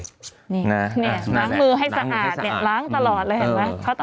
ล้างมือให้สะอาดล้างตลอดเลยเห็นไหม